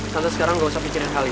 tante sekarang gak usah pikirin hal itu